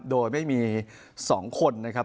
โดยไม่มี๒คนนะครับ